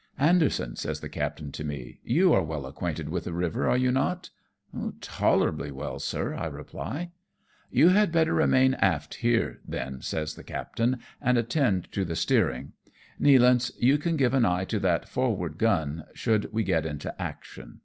"Anderson,'^ says the captain to me, "you are well acquainted with the river, are you not ?"" Tolerably well, sir," I reply. " You had better remain aft here, then," says the cap tain, "and attend to the steering. Nealance, you can give an eye to that forward gun, should we get into action."